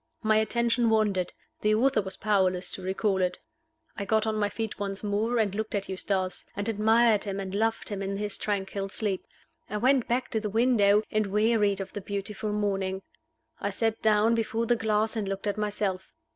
My attention wandered; the author was powerless to recall it. I got on my feet once more, and looked at Eustace, and admired him and loved him in his tranquil sleep. I went back to the window, and wearied of the beautiful morning. I sat down before the glass and looked at myself.